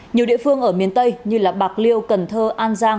nhiều địa phương ở miền tây như bạc liêu cần thơ an giang